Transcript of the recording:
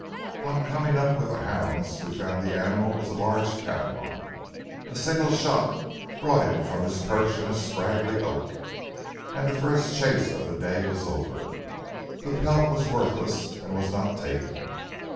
On coming up with the hounds, we found the animal was a large catamount. A single shot brought him from his perch in a scraggy oak, and the first chase of the day was over. The pelt was worthless and was not taken.